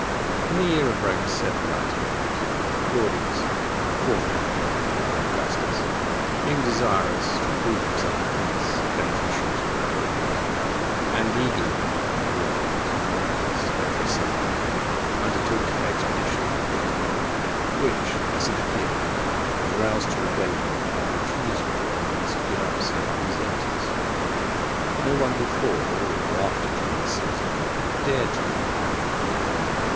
In the year of Rome 798,(38) Claudius, fourth emperor from Augustus, being desirous to approve himself a prince beneficial to the republic, and eagerly bent upon war and conquest on every side, undertook an expedition into Britain, which as it appeared, was roused to rebellion by the refusal of the Romans to give up certain deserters. No one before or after Julius Caesar had dared to land upon the island.